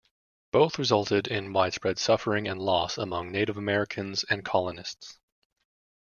Both resulted in widespread suffering and loss among Native Americans and colonists.